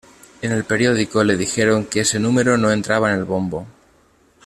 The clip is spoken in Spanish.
En el periódico le dijeron que ese número no entraba en el bombo.